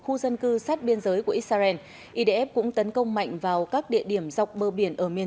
khu dân cư sát biên giới của israel idf cũng tấn công mạnh vào các địa điểm dọc bờ biển ở miền